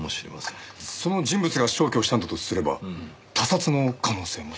その人物が消去したんだとすれば他殺の可能性も？